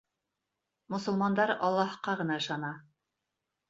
Мосолмандар Аллаһҡа ғына ышана.